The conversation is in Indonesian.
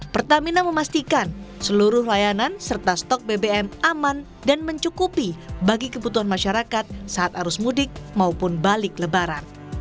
pertamina memastikan seluruh layanan serta stok bbm aman dan mencukupi bagi kebutuhan masyarakat saat arus mudik maupun balik lebaran